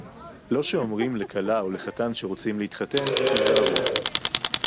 לא שאומרים לכלה או לחתן שרוצים להתחתן: תיזהרו